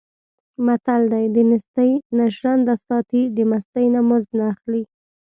متل دی: دنېستۍ نه ژرنده ساتي، د مستۍ نه مزد نه اخلي.